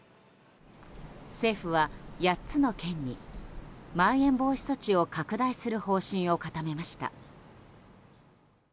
政府は８つの県にまん延防止措置を拡大する方針を固めました。